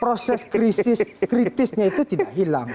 proses krisis kritisnya itu tidak hilang